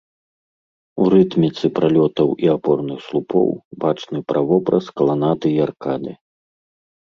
У рытміцы пралётаў і апорных слупоў бачны правобраз каланады і аркады.